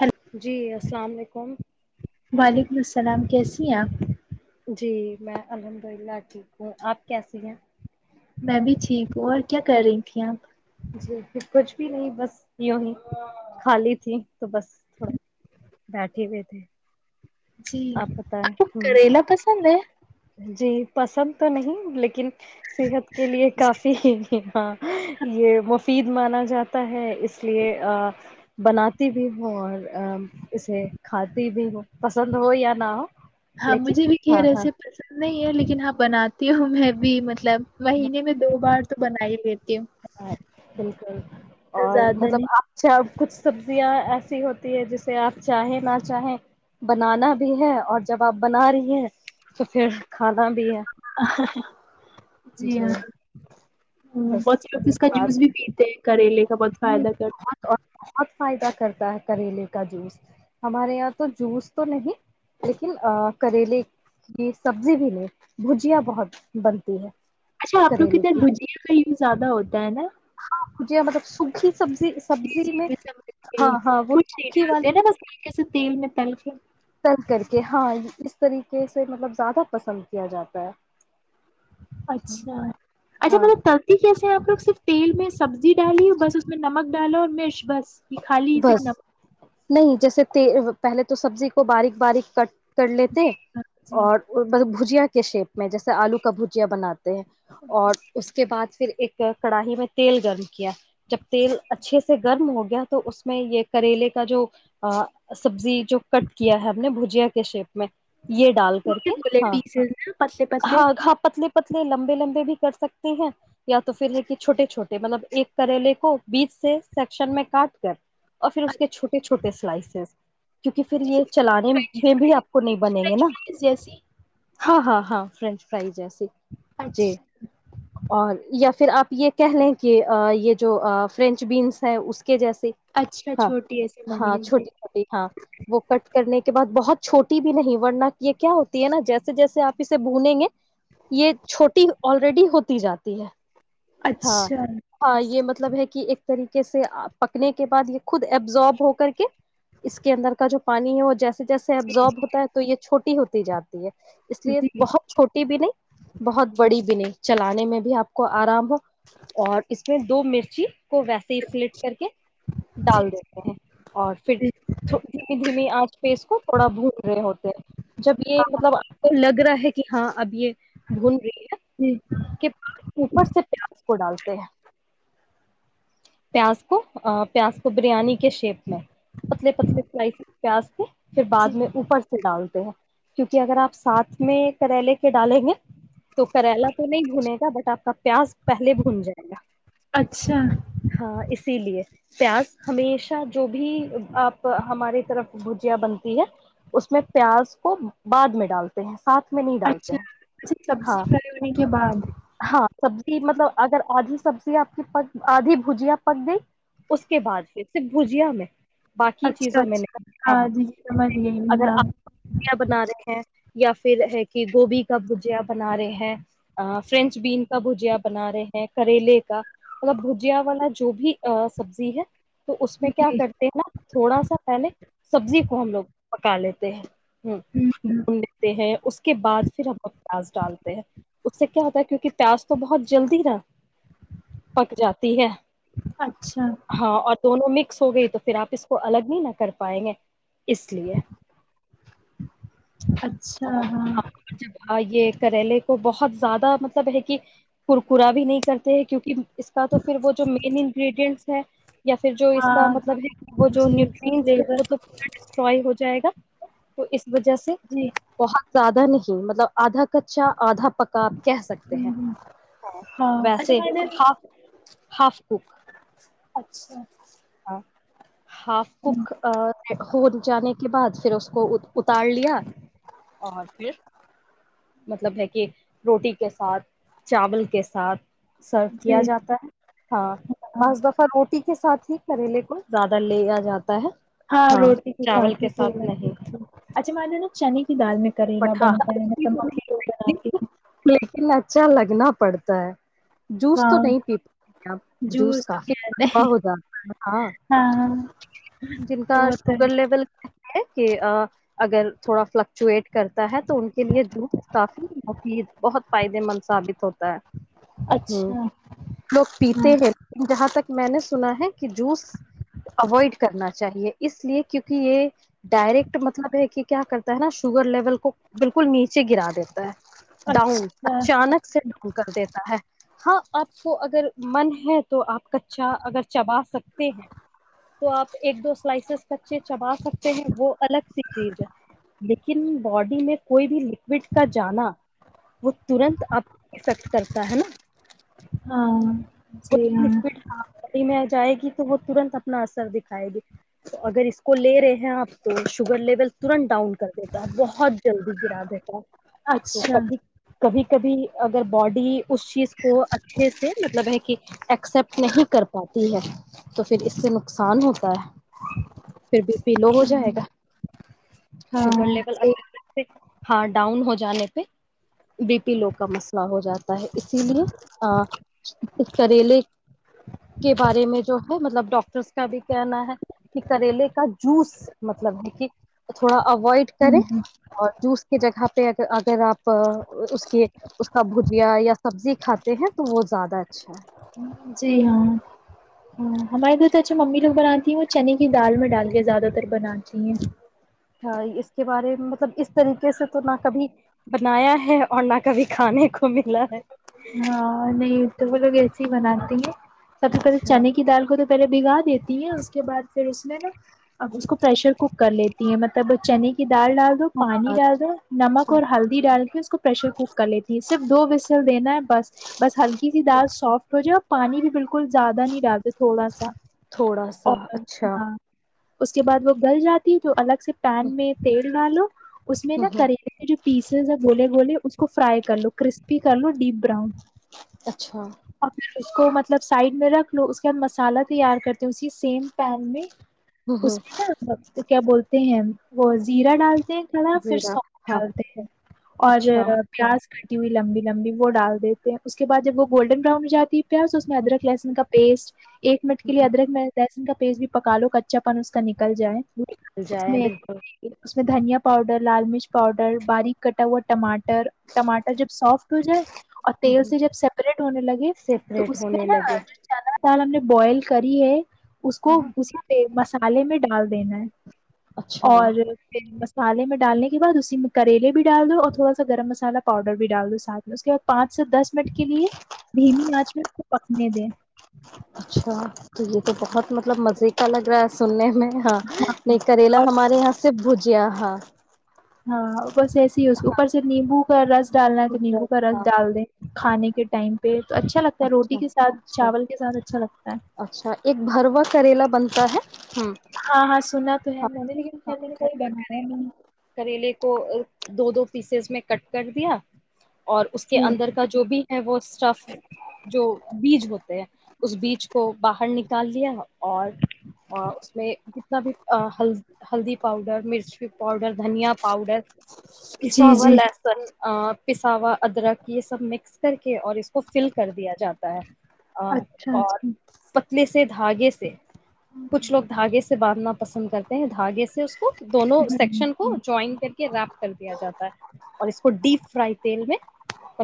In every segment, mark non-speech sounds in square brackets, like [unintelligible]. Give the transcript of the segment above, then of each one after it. Hello جی السلام علیکم وعلیکم السلام کیسی ہیں آپ جی میں الحمد للہ ٹھیک ہوں آپ کیسی ہیں میں بھی ٹھیک ہوں اور کیا کر رہی تھی آپ جی پ کچھ بھی نہیں بس یوں ہی خالی تھی تو بس تھوڑا بیٹھے ہوئے تھے جی بتائیں آپ کو ہوں کریلا پسند ہے جی پسند تو نہیں لیکن صحت کے لیے کافی ہی ہاں یہ مفید مانا جاتا ہے اس لیے بناتی بھی ہوں اور اسے کھاتی بھی ہوں پسند ہو یا نہ ہو ہاں لیکن مجھے بھی کہ ہاں رہیس ہاں نہیں ہے لیکن ہاں بناتی ہوں میں بھی مطلب مہینے میں دو بار تو بنائی تو زیادہ نہیں [unintelligible] کچھ سبزیاں ایسی ہوتی ہے جسے آپ چاہیں نہ چاہیں بنانا بھی ہے اور جب آپ بنا رہی ہیں تو پھر کھانا بھی ہے [inaudible] جی ہاں بس بہت س لوگ یہ اس کا جوس بھی بات پیتے ہیں کریلے کا بہت فائدہ کرتے ہیں تا کریلے کا جوس ہمارے یہاں تو جوس تو نہیں لیکن کریلے کی سبزی بھی نہیں بھجیاں بہت بنتی ہے اچھا آپ لوگ کریلے ادھر کی بھجیا کا یوز زیادہ ہوتا ہے نا جی مطلب سکی [unintelligible] سبزی جی سبزی جی میں سمجھ ہاں ہاں وہکھی والی اس سے تیل میں تل کے چل کر کےے ہاں اس طریقے سے مطلب زیادہ پسند کیا جاتا ہے اچھا اچھا ہاں مطلب ترتی کیسے ہیں آپ لوگ صرف تیل میں سبزی ڈالی بس اس میں نمک ڈالو اور مرچ بس یہ خالی صرف بس نمک نہیں جیسے پہلے تو سبزی کو باریک باریک کٹ کر لیتے جی اور بس بھجیا کے شیپ میں جیسے آلو کا بھجیا بنات ہیں اور اس کے بعد پھر ایک کڑاہائی میں تیل گرم کیا جب تیل اچھے سے گرم ہو گیا تو اس میں یہ کریلے کا جو سبزی جو کٹ کیا ہے ہم نے بھجیا کے شیپ میں یہ ڈال کر کے بولے ہاں پیسز نا پتلے پتلے ہاں ہاں پتلے پتلے لمبے لمبے بھی کر سکتے ہیں یا تو پھر ہے کہ چھوے چھوٹے مطلب ایک کریلے کو بیچ سے سیکشن میں کاٹ سر [unintelligible] اور پھر اچھا اس کے چھوٹے چھوٹے سلائسز کیونکہ پھر یہ چلانے فرینچ میں بھی آپ کو نہیں بنےیں گے فرینچ نا فرائز جیسی ہاں ہاں ہاں فرینچ فرائی ج ہےس جی اچھا اور پھر آپ یہ کہہ لیں کہ یہ جو فرینچ بینس ہے اس کے جیسے اچھا ہاں چھوٹی ایسی ہاں بنی ہوئی تھی چھوٹی چھوٹی ہاں وہ کٹ کرنے کے بعد بہت چھوٹی بھی نہیں ورننا کی یہ کیا ہوتی ہے نا جیسے جیسے آپ اسے بھنےیں گے یہ چھوٹی آلریڈی ہوتی جاتی ہے ہاں اچھا ہ یہ مطلب ہے کہ ایک طریقے سے پکنے کے بعد یہ خود ایبزارب ہو کر کے اس کے اندر کا جو پانی ہے وہ جیسا جیسے جی ایبزارب جی ہوتا ہے تو یہ چھٹی ہوتی جاتی اس لیے جی بہت چھوٹی بھی نہیں بہت بڑی بھی نہیں چلانے میں بھی آپ کو آرام ہو اور اس میں دو م جی کو ویسے ہی سلٹ کر کے جی ڈال جی دیتے ہیں اور پھر دھی دھیمی آنچ پہ اس کو تھوڑا بول رہے ہو جب یہ مطلب آ لگ رہا ہے ہے کہ ہاں اب یہ بھونیا جی کے پا اوپر سے پار کو ڈالتے ہیں پیاز کو پیاز کو بریانی کے شیپ میں پتلے پتلے سلائسز پیاز پھر جی بعد میں اوپر سے ڈالتے ہیں کیونکہ اگر آپ ساتھ میں کریلے کے ڈالیں گے تو کریلا تو نہیں بھنے گا بٹ آپ کا پیاز بھن جائے گا اچھا ہاں اس اسی لیے پیاز ہمیشہ جو بھی آپ ہماری طرف بھجیا بنتی ہے اس میں پیاز کو بعد میں ڈالتے ہیں ساتھ میں نہیں ڈالتے اچھا ہیں سبزی پگانے کے بعد سب مطلب اگر آدھی سبزی آپ کی پ آدھی بھجیا پک گئی اس کے بعد پھر صرف بھجیا میں باقی اچھا چیزوں میں اچھا نہیں ہاں جی جی سمجھ گئی میں اگر ہاں آپ بنا رہے ہیں یا پھر ہے کہ گوبھی کا بھجیا بنا رہے ہیں فرینچ بین کا بھجیا بنا رہے ہیں کریلے کا مطلب بھجیا والا جو بھی سبزی ہے تو اس میں کیا جی کرتے ہیں نا تھوڑا سا پہلے سبزی کو ہم لوگ پکا لیتے ہیں ہ ہوں بھون لیتے ہیں اس کے بعد پھر ہموگ پیاز ڈالتے ہیں اس سے کیا ہوتا ہے کیونکہ پیاز تو بہت جلدی نہا پک جاتی ہے اچھا ہاں اور دونوں میں ہو گئی تو پھر آپ اس کو الگ نہیں نہ کر پائیں گے اس لیے اور ہاں جب یہ کریلے کو بہت زیادہ مطلب ہے کہ ککرا بھی نہیں کرتے ہیں کیونک اس کا تو پھر وہ مین انگریڈینٹس ہے یا پھر جو اس کا ہاں مطلب ہے وہ جی نیٹری ہے لیبر وہ تو پا ڈسٹروائے ہو جائے گا تو اس وجہ سے جی بہت زیادہ نہیں ہی مطلب آدھا کچا آدھا پکا کہہ سکتے ہیں ہوں ہوں ہاں اچھا ویسے میں نے ہاف ہاف کک [unintelligible] اچھا ہاف ہوں کک ہو جانے کے بعد پھر اس کو اتار لیا اور پھر مطلب ہے کہ روٹی کے ساتھ چاول کے ساتھ سرو کیا جی جاتا ہے ہاں ہاں بعض دفعہ روٹی کے ساتھ ہی یہ بات پھر اس کو اتار لیا اور پھر مطلب ہے کہ روٹی کے ساتھ چاول کے ساتھ ہاں روٹی کے ساتات اچھا م ج ن چنی ٹا لوگ بناتی ہے لیکن اچھا لگنا پڑتا [inaudible] جوس تو ہاں نہیں پیتے جوس تو کہتے کافیا ہیں ہو جاتا ہے ہاں ہاں جن کا وہ تو ہے شوگر لیول کہ اگر تھوڑا فلکچویٹ کرتا ہے تو ان کے لیے جوس کافی مفید بہت فائدے مند ثابت ہوتا ہے ہ اچھا لوگ پیتے ہاں ہیں لیکن جہاں تک میں نے سنا ہے کہ جوس اوائڈ کرنا چاہیے اس لیے کیونکہ یہ ڈائریکٹ مطلب ہے کہ کیا کرتا ہے نا شوگر بالکل بالکل نیچے گرا دیتا ہے ڈاؤن اچھا اچانک سے ڈاؤن کر دیتا ہے ہاں آپ کو اگر من ہے تو آپ کچا اگر چبا سکتے ہیں تو آپ ایک دو سلائسیز کچے چبا سکتے ہیں وہ الگ سی چیز ہے لیکن باڈی میں کوئی بھی لکوڈ کا جانا وہ ترت آب افیکٹ کرتا ہے نا ہاں جی کوئی ہاں لکوڈ باڈی میں جائے تو وہ ترنت اپنا اثر دکھائے گی تو اگر اس کو لے رہے اں آپ تو شوگر لیول ترنت ڈاؤن کر د انٹنگیبل بہت جلدی گرا دیتا تو اچھا کبھی کبھی کبھی اگر باڈی اس چیز کو اچھے سے مطلب ہے کہ ایکسپٹ نہیں کر پاتی ہے تو پھر اس سے نقصان ہوتا ہے پھر بی پی لو ہو جائے ہوں گا شگر ہاں لیول جی اچا ہاں ڈاؤن ہو جانے پہ بی پی لو کا مسئلہ ہو جاتا ہے اسی لیے کریلے کے بارے میں جو ہے مطلب ڈاکٹرس کا بھی کہنا ہے کہ کریلے کا جوس مطلب ہے کہ تھوڑا اوائڈ کرار ہوں اور جوس کی جگہ پہ اگر آپ اس کے اس کا بھجیا یا سبزی کھاتے ہیں تو وہ زیادہ اچھا ہے جی ہاں ہاں ہمارے گھر تو اچھا ممی لوگ بناتی ہیں وہ چنے کی دال میں ڈال کے زیادہ تر بناتی ہیں ہھ اس کے بارے میں مطلب اس طریقے سے تو نہ کبھی بنایا ہے اور نہ کبھی کھانے کو ملا ہے ہاں نہیں تو وہ لوگ ایسے ہی بناتے ہیں سب سے پہلے اچھا چنے کی دال کو تو پہلے بھگا دیتی ہے اس کے بعد پھر اس میں نہ اس کو پریشر کوک کر لیتی ہے مطلب چنے کی دال ڈال دو پانی ہاں ڈال دو نمک اور ہلدی ڈال کے اس کو پریشر کوک کر لیتی صرف دو بسل دینا ہے بس بس ہلکی سی اچھا دال سافٹ ہو جو پانی بھی بالکل بالکل زیادہ نہیں رہتے تھوڑا سا تھوڑا سا اور اچھا ہاں اس کے بعد وہ گھر جاتی تو الگ پین میں تیل دوالو اس میں نہ کریلے کے جو پیسز ہیں گولے گولے اس فرائی کرلو کرپ پ کر لو ڈی نرؤن اچھا اس کو مطلب سائڈ میں رکھ لو اس کے بعد مسالہ تیار کرتے ہیں اسی سیم پین میں اس میں کیا بولتے ہیں وہ زیرہ ڈال کا پھر زیرہ سو ہاں ڈالتے ہیں اور اچھا پیاز کٹی ہوئی لمبی لمبی وہ ڈال دیتے ہیں اس کے بعد جب وہ گولڈن بران ہو جاتی پیاز اس میں ادرک لہن کا بیس ایک منٹ کے لیے ادرک میں دنٹ پیس بھی پکا لو کچا پن اس کا نکل کل جائے نکل اس جائیں میں بالکل اس میں دھنیا پاؤڈر لال مرچ پاؤڈر باریک کٹا ہوا ٹاٹر ٹماٹر جب سافٹ ہو جائے تیل سے جب سیپریٹ ہونے لگے تو سیپریٹ اس میں ہونے نا لگے جو چنا دال ہم نے بوائل کر کری ہے اس کو اس مسالے میں ڈال دین ہے اچھا اور پالے میں ڈالنے کے بعد اسی میں کریلے بھی ڈال دو اور تھوڑا سا گرم مسالا پاؤڈر بھی ڈال دو سھ میں اس کے بعد پانچ سے دس منٹ کے لیے دھیمی آنچ میں کو پکنے دیں اچھا تو یہ تو بہت مطلب مزے کا لگ رہا ہے سننے میں ہاں نہیں کریلا اور ہمارے یہاں سے سب بھجیا ہاں ہاں بس ایسے ہی اس اوپر سے نیمبو کا رس ڈالنا تھ نیبو گھر سے ڈال دیں ہیں کھانے کے ٹائم پہ تو اچھا لگتا ہے روٹی اچھا کے ساتھ اچھا چاول کے ساتھ اچھا لگتا ہے اچھا ایک بروا کرےلا بنتا ہے ہاں ہاں ہاں سنا تو ہے میں نے لیکن ہاں خ میں نے کہئی بنایا نہیں کریلے کو دو دو پیسز میں کٹ کر دیا اور اس کے جی اندر کا جو بھی ہے وہ سٹف جو بیج ہوتے ہے اس بیج کو باہر نکل نکال دیا اور اس میں ل ہلدی پاؤڈر مرچی پاؤڈر دھنیا پاؤڈر جی پساوا جی لہسن پساوا ادرک یہ سب مکس کر کے اور اس کو فل کر دیا جاتا [inaudible] ا اچھا اور اچھا پتل سے سے دھاگے سے کچھ لوگ دھاگے سے باندھنا پسند کرتے ہیں دھاگے سے اس کو دونوں سیکشن ہوں کو جوائن کر کے ریپ کر دیا جاتا ہے اور اس کو ڈیپ فرائی تیل میں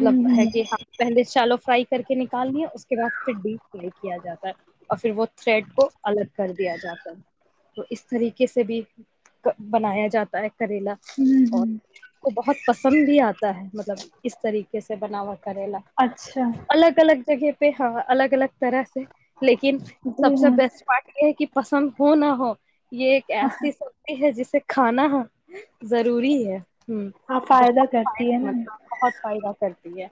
ہوں ہے ہوں کہ ہ پہلے چالو فرائی کر کے نکالنی ہے اس کے بعد پھر ڈے کیا جاتا ہے اور پھر وہ تھریڈ کو الگ کر دیا جاتا ہے تو اس طریقے سے بھی بنایا جاتا ہے کریلا ہوں اور ہوں کو بہت پسند بھی آتا ہے مطلب اس طریقے سے بنا ہوا کریلا اچھا الگ الگ جگہ پ ہاں الگ الگ طرح سے لیکن جی سب سے ہاں بیسٹ پارٹ یہ ہے کہ پسند ہو نہ ہو یہ ایک ایسی سبی ہے جسے کھانا ہے ضروری ہے ہ ہاں فائدہ بہت کرتی ہے فائدے نا مندب بہت فائدہ کرتی ہے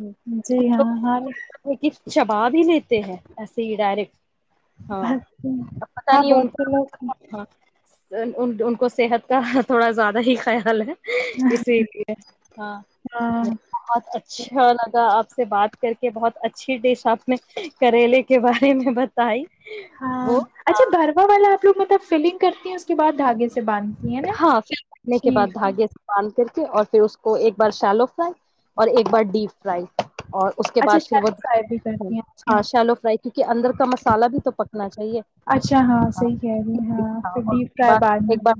ہوں جی کچھ ہاں ہر لوگ کہ شباب ہی لیتے ہیں ایسے ہی ڈائریکٹ ہاں اچھا اب پت ہاں نہیں بہت ان س کا ہاں ان ان کو صحت کا تھوڑا زیادہ ہی خیال ہے اسی لیے ہاں نہیں ہاں بہت اچھ اچھا لگا آپ سے بات کر کے بہت اچھی ڈش آپ نے کریلے کے بارے میں بتائی ہاں وہ اچھا گروا والا آپ لو مطلب فلنگ کرتی ہے اس کے بع دھاگے سے باندھتی ہیں نا ہاں پھر بنے کے شیل بعد کا؟ دھاگے سے باندھ کر اور پھر اس کو ایک بار شلو فرائی اور ایک بار ڈیپ فرائی اور اس کے اچھا بعد پھر شیلو فرائی بھی وہ کرتی ہیں اچھا ہاں شیلو فرائی کیونکہ اندر کا مسالہ بھی تو پکنا چاہیے اچھا ہاں صحیح کہہ رہی ہیں ہاں پھر اور ڈیپ اس کے فرائی بعد ایک بار میں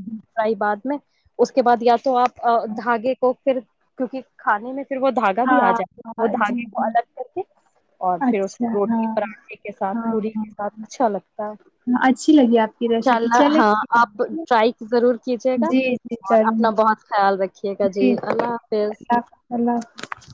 بعد میں اس کے بعد یا تو آپ ا دھاگے کو پھر کیونکہ کھانے میں پھر وہ دھاگا بھی آ ہاں جائےا وہ ہاں جی دھاگے کو جی الگ کر کے اور پھر اس اچھا کو ہاں روٹی پراٹھے کے ساتھ ہاں پی ہاں کے ساتھ اچھا لگتا ہاں اچھی لگی آپ کی ہےاء ریسیپی اللہ چلے ہاں آپ جی ٹرائی ضرور کیجیے گا جی اور ضرور اپنا بہت خیال رکھے جی جی اللہ حظ اللہ حافظ